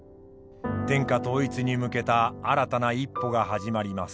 天下統一に向けた新たな一歩が始まります。